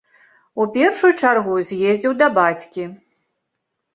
У першую чаргу з'ездзіў да бацькі.